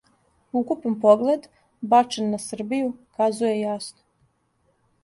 Укупан поглед, бачен на Србију, казује јасно